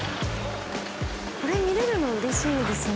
これ見れるの嬉しいですね。